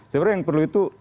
sebenarnya yang perlu itu